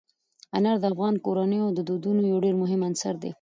انار د افغان کورنیو د دودونو یو ډېر مهم عنصر دی.